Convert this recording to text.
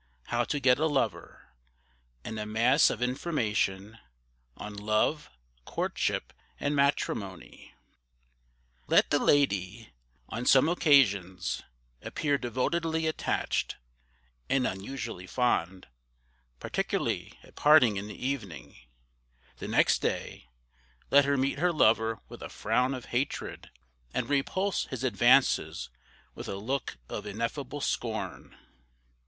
HOW TO GET A LOVER, And a mass of Information on LOVE, COURTSHIP, & MATRIMONY. [Illustration: TEASING MADE EASY FOR LADIES] Let the lady, on some occasions, appear devotedly attached, and unusually fond, particularly at parting in the evening. The next day, let her meet her lover with a frown of hatred, and repulse his advances with a look of ineffable scorn.